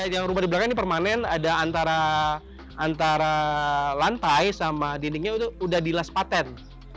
yang rumah di belakang ini permanen ada antara lantai sama dindingnya itu udah dilas patent